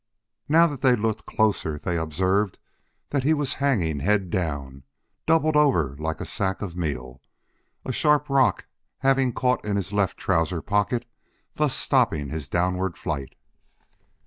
Now that they looked closer, they observed that he was hanging head down, doubled over like a sack of meal, a sharp rock having caught in his left trousers pocket, thus stopping his downward flight.